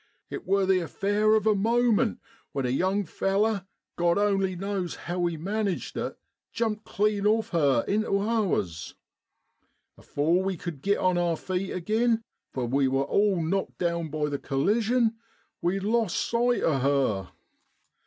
It wor the affair of a moment, when a young feller, Grod only knows how he managed it, jumped clean off her intu ours. Afore we cud git on our feet agin for we was all knocked down by the collision we lost sight o' her.